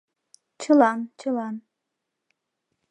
Чылан, чылан